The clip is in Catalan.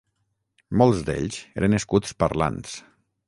Molts d'ells eren escuts parlants.